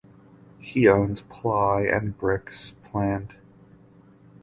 He owns Ply and Bricks plant.